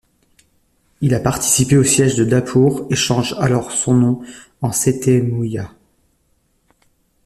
Il a participé au siège de Dapour, et change alors son nom en Sethemouia.